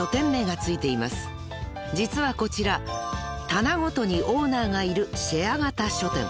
［実はこちら棚ごとにオーナーがいるシェア型書店］